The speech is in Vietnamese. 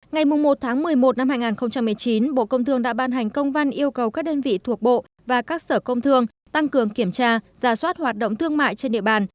ngày một một mươi một năm hai nghìn một mươi chín bộ công thương đã ban hành công văn yêu cầu các đơn vị thuộc bộ và các sở công thương tăng cường kiểm tra giả soát hoạt động thương mại trên địa bàn